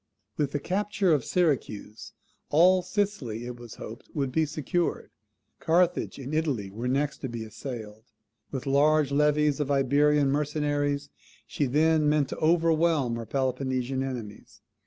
With the capture of Syracuse all Sicily, it was hoped, would be secured. Carthage and Italy were next to be assailed. With large levies of Iberian mercenaries she then meant to overwhelm her Peloponnesian enemies.